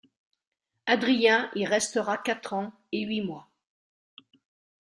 Adrien y restera quatre ans et huit mois.